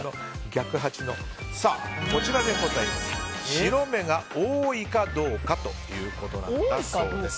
白目が多いかどうかということなんだそうです。